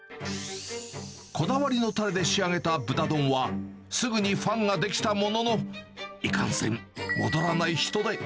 こだわりのたれで仕上げた豚丼は、すぐにファンが出来たものの、いかんせん、戻らない人出。